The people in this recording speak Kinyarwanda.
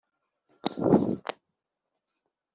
Nuko igihe bari mu gasozi Kayi